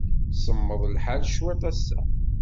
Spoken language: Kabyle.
Semmeḍ lḥal cwiṭ ass-a.